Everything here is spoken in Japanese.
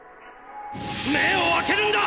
目を開けるんだ！！